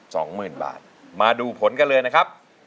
สองหมื่นบาทมาดูผลกันเลยนะครับ